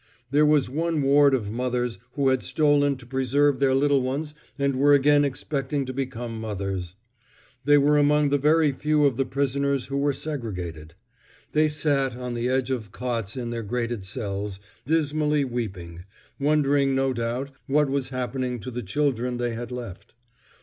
There was one ward of mothers who had stolen to preserve their little ones and were again expecting to become mothers. They were among the very few of the prisoners who were segregated. They sat on the edge of cots in their grated cells, dismally weeping, wondering no doubt what was happening to the children they had left.